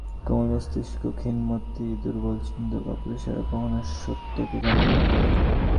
কোমলমস্তিষ্ক ক্ষীণমতি দুর্বলচিত্ত কাপুরুষেরা কখনও সত্যকে জানতে পারে না।